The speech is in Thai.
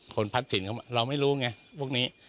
พัดถิ่นเขาเราไม่รู้ไงพวกนี้